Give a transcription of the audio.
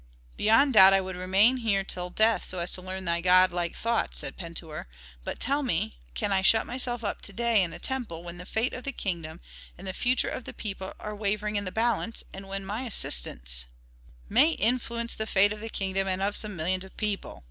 "Beyond doubt I would remain here till death so as to learn thy godlike thoughts," said Pentuer. "But tell me, can I shut myself up to day in a temple when the fate of the kingdom and the future of the people are wavering in the balance, and when my assistance " "May influence the fate of the kingdom and of some millions of people!"